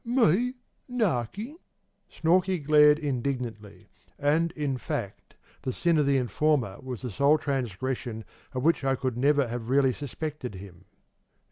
"'Me? Narkin'?' Snorkey glared indignantly; and, in fact, the sin of the informer was the sole transgression of which I could never really have suspected him.